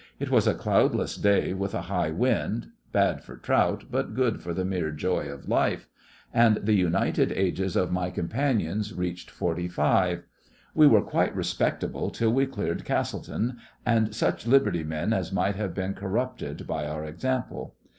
It was a cloudless day with a high wind—bad for trout but good for the mere joy of life; and the united ages of my companions reached forty five. We were quite respectable till we cleared Castletown, and such liberty men as might have been corrupted by our example.